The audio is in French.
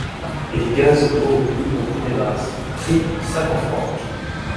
et gaz, eau, libre au premier Mars, prix : cinquante fr.